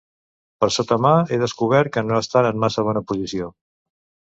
Per sota mà he descobert que no estan en massa bona posició